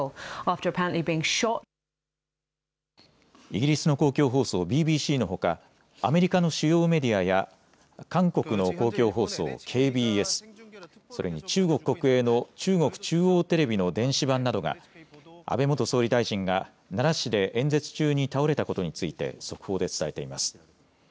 イギリスの公共放送、ＢＢＣのほかアメリカの主要メディアや韓国の公共放送、ＫＢＳ、それに中国国営の中国中央テレビの電子版などが安倍元総理大臣が奈良市で演説中に倒れたことについて速報で伝えています。